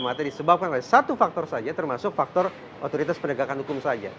mata mata disebabkan oleh satu faktor saja termasuk faktor otoritas pendegakan hukum saja